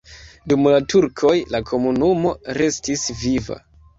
Dum la turkoj la komunumo restis viva.